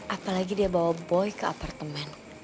apalagi dia bawa boy ke apartemen